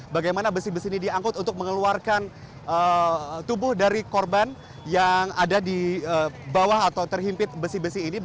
bagaimana besi besi ini diangkut untuk mengeluarkan tubuh dari korban yang ada di bawah atau terhimpit besi besi ini